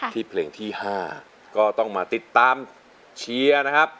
เพลงที่๕ก็ต้องมาติดตามเชียร์นะครับ